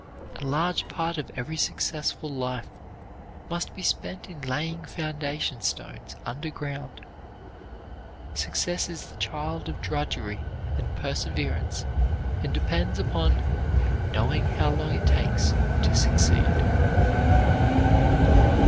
A large part of every successful life must be spent in laying foundation stones underground. Success is the child of drudgery and perseverance and depends upon "knowing how long it takes to succeed."